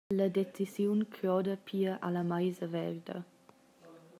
La decisiun croda pia alla meisa verda.